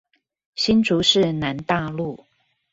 新竹市南大路